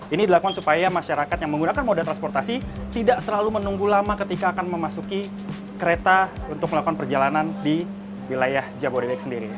ini dilakukan supaya masyarakat yang menggunakan moda transportasi tidak terlalu menunggu lama ketika akan memasuki kereta untuk melakukan perjalanan di wilayah jabodetabek sendiri